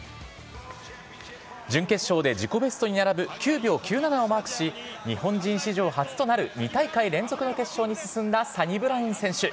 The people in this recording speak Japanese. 準決勝で自己ベストに並ぶ９秒９７をマークし、日本人史上初となる２大会連続の決勝に進んだサニブラウン選手。